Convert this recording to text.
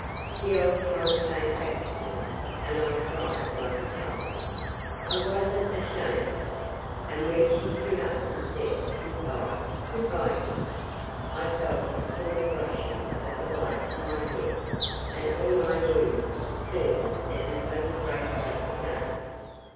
The old time came back to me, and I cried like a child. I wasn't ashamed of it; and when she stood up and said, 'Good bye good bye, Dick,' I felt a sort of rushing of the blood to my head, and all my wounds seemed as if they would break out again.